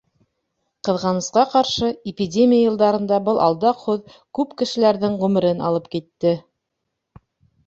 Ҡыҙғанысҡа ҡаршы, эпидемия йылдарында был алдаҡ һүҙ күп кешеләрҙең ғүмерен алып китте.